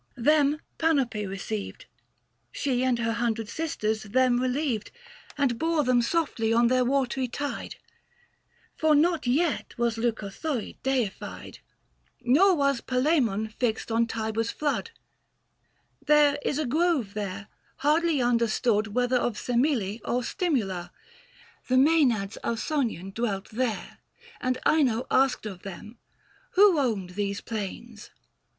Them Panope received ; 595 She and her hundred sisters them relieved, And bore them softly on their watery tide. For not yet was Leucothoe deified ; Book VI. THE FASTI. 195 Nor was Palaamon fixed on Tiber's flood. There is a grove there, hardly understood 600 Whether of Semele or Stimula ; The Maenades Ausonian dwelt there, And Ino asked of them, "Who owned those plains?"